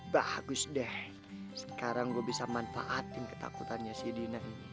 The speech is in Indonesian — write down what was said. bagus deh sekarang gue bisa manfaatin ketakutannya si dina ini